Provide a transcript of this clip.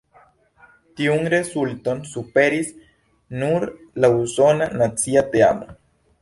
Tiun rezulton superis nur la usona nacia teamo.